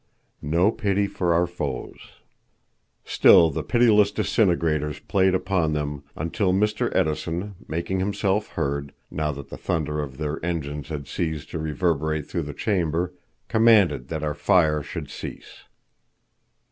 No Pity for Our Foes. Still the pitiless disintegrators played upon them until Mr. Edison, making himself heard, now that the thunder of their engines had ceased to reverberate through the chamber, commanded that our fire should cease.